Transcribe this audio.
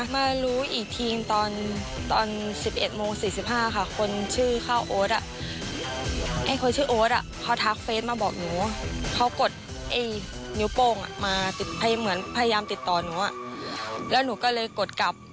มารู้อีกทีตอน๑๑โมง๔๕ค่ะคนชื่อข้าวโอ๊ตให้คนชื่อโอ๊ตเขาทักเฟสมาบอกหนูเขากดไอ้นิ้วโป้งมาเหมือนพยายามติดต่อหนูแล้วหนูก็เลยกดกลับ